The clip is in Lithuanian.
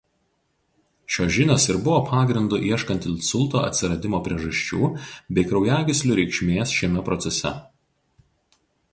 Šios žinios ir buvo pagrindu ieškant insulto atsiradimo priežasčių bei kraujagyslių reikšmės šiame procese.